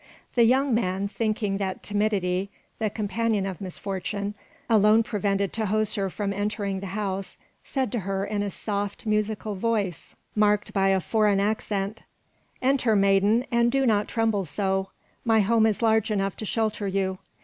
The young man, thinking that timidity, the companion of misfortune, alone prevented Tahoser from entering the house, said to her in a soft, musical voice marked by a foreign accent, "Enter, maiden, and do not tremble so. My home is large enough to shelter you.